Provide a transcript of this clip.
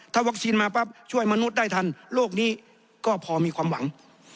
ถ้าวัคซีนมาปั๊บช่วยมนุษย์ได้ทันโลกนี้ก็พอมีความหวัง